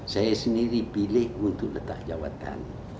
saya sendiri pilih untuk letak jawatan